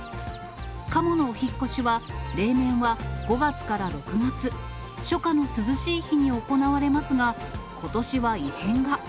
カモのお引っ越しは例年は５月から６月、初夏の涼しい日に行われますが、ことしは異変が。